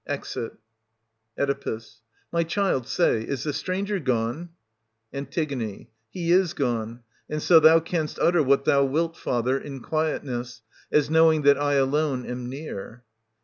\Exit Oe. My child, say, is the stranger gone 1 An. He is gone, and so thou canst utter what thou wilt, father, in quietness, as knowing that I alone am near.